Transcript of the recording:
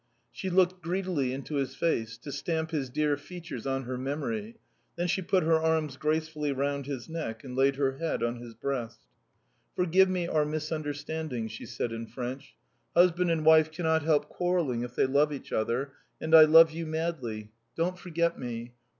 She looked greedily into his face, to stamp his dear features on her memory, then she put her arms gracefully round his neck and laid her head on his breast. "Forgive me our misunderstandings," she said in French. "Husband and wife cannot help quarrelling if they love each other, and I love you madly. Don't forget me.